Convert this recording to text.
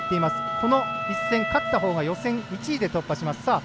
この一戦、勝ったほうが予選１位で突破します。